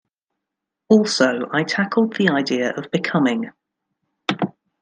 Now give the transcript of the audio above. Also, I tackled the idea of becoming.